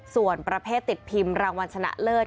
ส่วนประเภทติดพิมพ์รางวัลชนะเลิศ